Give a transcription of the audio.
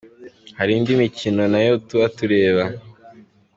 Hari indi mikino nayo tuba tureba.